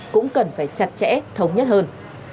cũng cần phải chặt chẽ thống nhất hơn